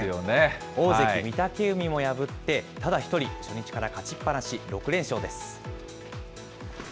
大関・御嶽海も破って、ただ一人、初日から勝ちっぱなし６連勝です。